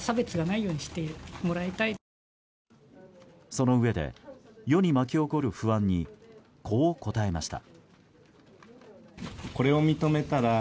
そのうえで世に巻き起こる不安にこう答えました。